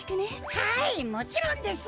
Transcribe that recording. はいもちろんです。